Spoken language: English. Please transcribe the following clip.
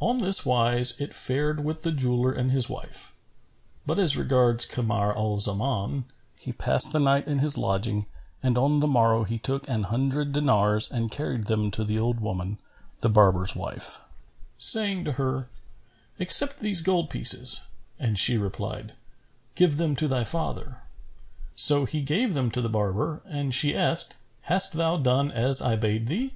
On this wise it fared with the jeweller and his wife; but as regards Kamar al Zaman, he passed the night in his lodging and on the morrow he took an hundred dinars and carried them to the old woman, the barber's wife, saying to her, "Accept these gold pieces," and she replied, "Give them to thy father." So he gave them to the barber and she asked, "Hast thou done as I bade thee?"